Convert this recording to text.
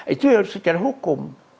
itu harus secara hukum